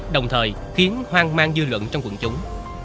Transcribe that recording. đồng thời khiến hoang mang dư luận trong quần chúng